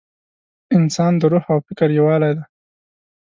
انسان د روح او فکر یووالی دی.